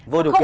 vô điều kiện